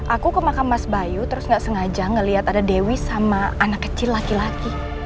aku ke makam mas bayu terus gak sengaja ngeliat ada dewi sama anak kecil laki laki